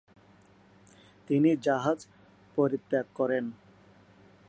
তিনি জাহাজ পরিত্যাগ করেন।